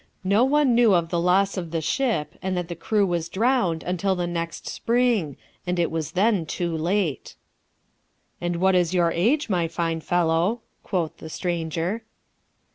No one knew of the loss of the ship and that the crew was drowned until the next spring, and it was then too late." "And what is your age, my fine fellow?" quoth the stranger.